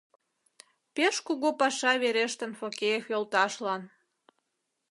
Пеш кугу паша верештын Фокеев йолташлан.